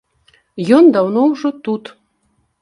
Ён даўно ўжо тут.